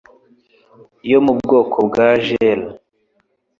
yo mu bwoko bwa gel